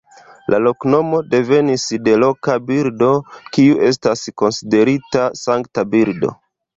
La loknomo devenis de loka birdo, kiu estas konsiderita sankta birdo.